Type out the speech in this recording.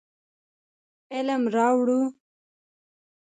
علم راوړو.